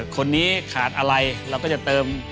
คนนี้ขาดอะไรเราก็จะเติม